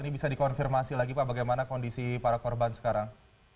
ini bisa dikonfirmasi lagi pak bagaimana kondisi para korban sekarang